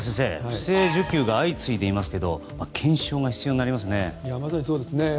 不正受給が相次いでいますけど検証が必要になりますね。